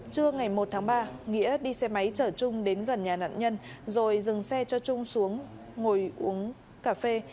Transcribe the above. trưa ngày một tháng ba nghĩa đi xe máy chở trung đến gần nhà nạn nhân rồi dừng xe cho trung xuống ngồi uống cà phê